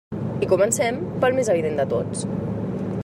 I comencem pel més evident de tots.